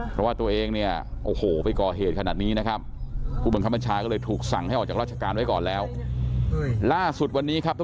เพราะว่าตัวเองเนี่ยโอโหไปก่อเหตุขนาดนี้นะครับอุบังคัมภัชชาคณะเลยถูกสั่งให้ออกจากราชการไว้ก่อนแล้ว